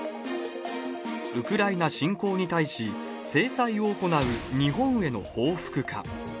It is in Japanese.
ウクライナ侵攻に対し、制裁を行う日本への報復か。